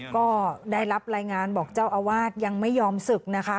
ก็ได้รับรายงานบอกเจ้าอาวาสยังไม่ยอมศึกนะคะ